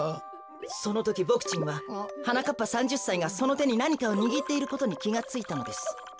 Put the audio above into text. そのときボクちんははなかっぱ３０さいがそのてになにかをにぎっていることにきがついたのです。